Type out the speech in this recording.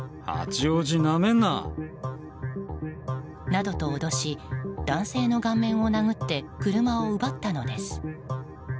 などと脅し男性の顔面を殴って車を奪ったのです。